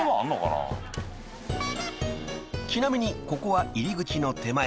［ちなみにここは入り口の手前］